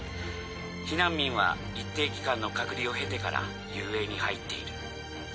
避難民は一定期間の隔離を経てから雄英に入っている。